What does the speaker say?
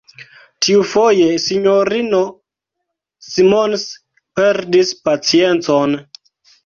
Tiufoje, S-ino Simons perdis paciencon.